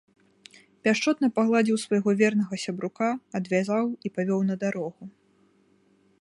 Пяшчотна пагладзіў свайго вернага сябрука, адвязаў і павёў на дарогу.